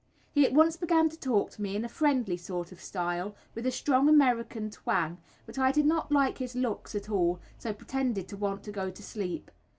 He at once began to talk to me in a friendly sort of style, with a strong American twang, but I did not like his looks at all, so pretended to want to go to sleep.